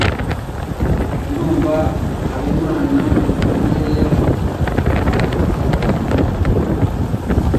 Ndumva Habimana na Mariya batandukanye.